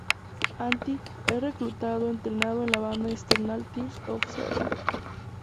Antti es reclutado entretanto en la banda Eternal Tears of Sorrow.